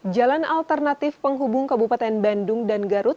jalan alternatif penghubung kabupaten bandung dan garut